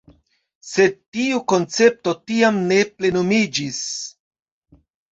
Sed tiu koncepto tiam ne plenumiĝis.